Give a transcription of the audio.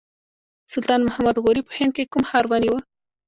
سلطان محمد غوري په هند کې کوم ښار ونیو.